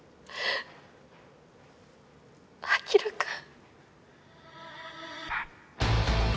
晶くん。